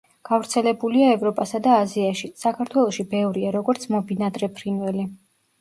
გავრცელებულია ევროპასა და აზიაში; საქართველოში ბევრია, როგორც მობინადრე ფრინველი.